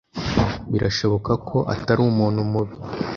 Birashoboka ko atari umuntu mubi.